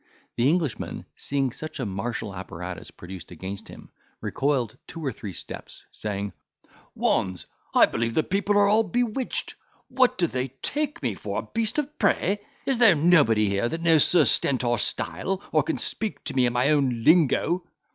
The Englishman, seeing such a martial apparatus produced against him, recoiled two or three steps, saying, "Waunds! a believe the people are all bewitched. What, do they take me for a beast of prey? is there nobody here that knows Sir Stentor Stile, or can speak to me in my own lingo?"